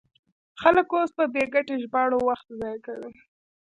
خلک اوس په بې ګټې ژباړو وخت ضایع کوي.